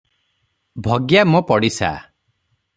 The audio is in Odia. ଭଗିଆ ମୋ ପଡ଼ିଶା ।